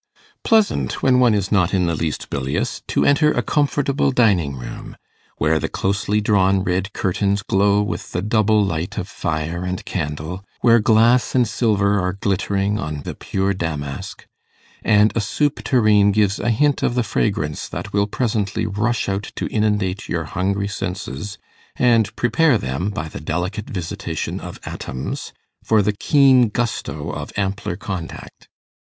Pleasant (when one is not in the least bilious) to enter a comfortable dining room, where the closely drawn red curtains glow with the double light of fire and candle, where glass and silver are glittering on the pure damask, and a soup tureen gives a hint of the fragrance that will presently rush out to inundate your hungry senses, and prepare them, by the delicate visitation of atoms, for the keen gusto of ampler contact!